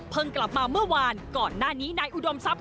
กลับมาเมื่อวานก่อนหน้านี้นายอุดมทรัพย